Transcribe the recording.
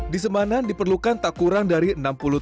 di semanan diperlukan tak kurang dari enam puluh tahun